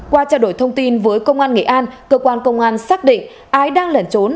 qua trao đổi thông tin với công an nghệ an cơ quan công an xác định ai đang lẩn trốn